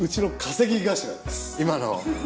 今の！